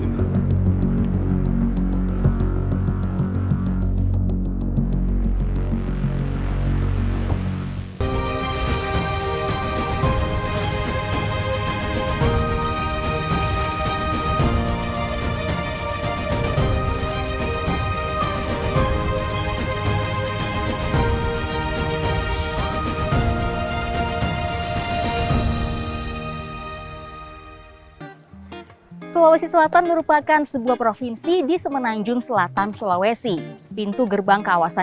mata pencaharian yang cocok apa